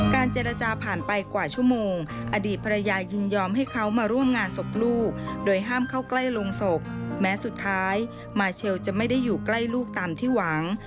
เจรจาผ่านไปกว่าชั่วโมงอดีตภรรยายินยอมให้เขามาร่วมงานศพลูกโดยห้ามเข้าใกล้โรงศพแม้สุดท้ายมาเชลจะไม่ได้อยู่ใกล้ลูกตามที่หวัง